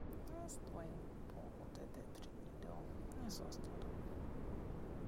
Estoy un poco de deprimido, eso es todo.